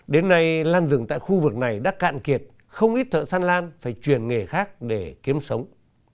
đến nay lan rừng tại khu vực này đã cạn kiệt không ít thợ săn lan phải chuyển nghề khác để kiếm sống